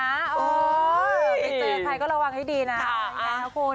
ไม่จายใครก็ระวังให้ดีนะ